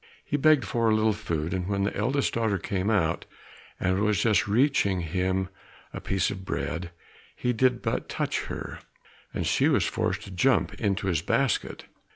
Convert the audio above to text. He begged for a little food, and when the eldest daughter came out and was just reaching him a piece of bread, he did but touch her, and she was forced to jump into his basket.